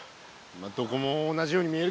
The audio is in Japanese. どこも同じように見えるけど。